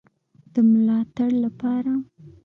د ملاتړ لپاره